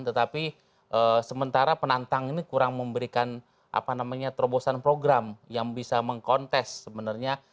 tetapi sementara penantang ini kurang memberikan terobosan program yang bisa mengkontes sebenarnya